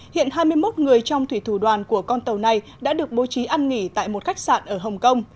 hiện hai mươi một người trong thủy thủ đoàn của con tàu này đã được bố trí ăn nghỉ tại một khách sạn ở hồng kông